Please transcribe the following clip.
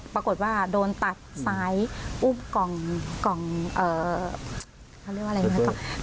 ปรากฏว่าโดนตัดซ้ายอุ้มกล่องกล่องเอ่อเขาเรียกว่าอะไรอย่างเงี้ย